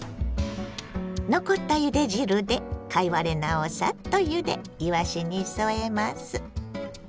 残ったゆで汁で貝割れ菜をサッとゆでいわしに添えます。